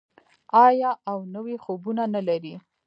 آیا او نوي خوبونه نلري؟